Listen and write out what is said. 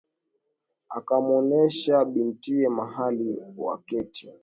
Akamwonesha bintiye mahali waketi.